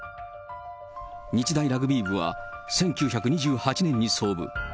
日大ラグビー部は１９２８年に創部。